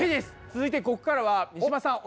続いてここからは三島さん